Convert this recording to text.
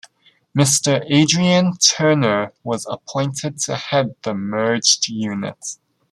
Mr Adrian Turner was appointed to head the merged unit.